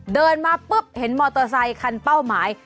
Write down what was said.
เดินมาปุ๊บเห็นมอเตอร์ไซคันเป้าหมาย